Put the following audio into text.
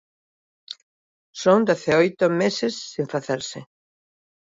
Son dezaoito meses sen facerse.